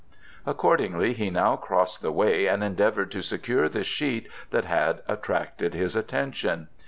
Accordingly he now crossed the way and endeavoured to secure the sheet that had attracted his attention.